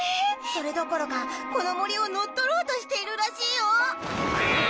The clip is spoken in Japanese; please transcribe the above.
それどころかこのもりをのっとろうとしているらしいよ。